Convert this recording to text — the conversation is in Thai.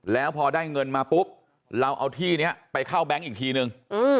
แล้วพอได้เงินมาปุ๊บเราเอาที่นี้ไปเข้าแบงค์อีกทีนึง